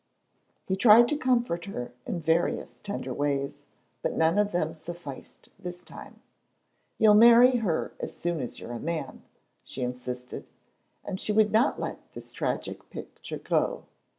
He tried to comfort her in various tender ways, but none of them sufficed this time, "You'll marry her as soon as you're a man," she insisted, and she would not let this tragic picture go.